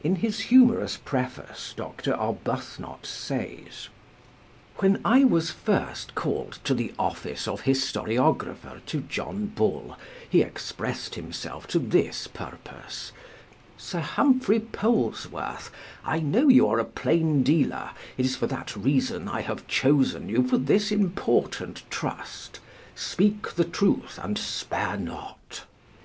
In his humorous preface Dr. Arbuthnot says: "When I was first called to the office of historiographer to John Bull, he expressed himself to this purpose: 'Sir Humphrey Polesworth, I know you are a plain dealer; it is for that reason I have chosen you for this important trust; speak the truth, and spare not.'